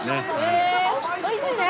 おいしいね。